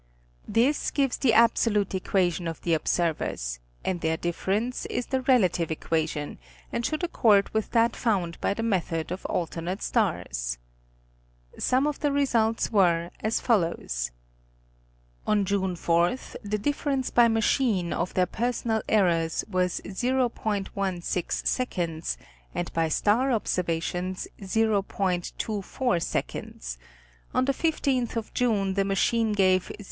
This gives the absolute equation of the observers, and their difference is the relative equation, and should accord with that found by the method of alternate stars. Some of the results were.as follows :—On June 4, the difference by machine of their personal errors was 0°.16 and by star observations 0°.24, on the 15th of June the machine gave 08.